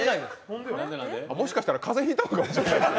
もしかしたら風邪引いたかもしれないです。